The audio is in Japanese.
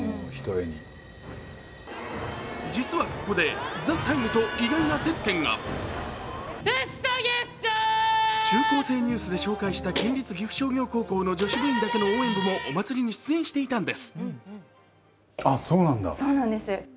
実はここで、「ＴＨＥＴＩＭＥ，」と意外な接点が「中高生ニュース」で紹介した県立岐阜商業高校応援団の女子部員だけの応援部もお祭りに出演していたんです。